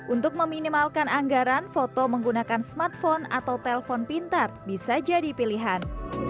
untuk meminimalkan anggaran foto menggunakan smartphone atau telpon pintar bisa jadi pilihan